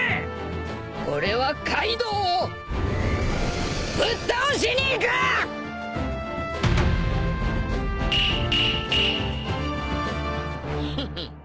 俺はカイドウをぶっ倒しに行く！ヘヘ。